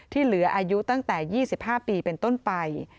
ที่เหลืออายุตั้งแต่๒๕ปีเป็นต้นไป